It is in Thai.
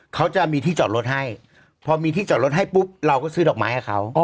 เขาจะมีที่จอดรถให้พอมีที่จอดรถให้ปุ๊บเราก็ซื้อดอกไม้ให้เขา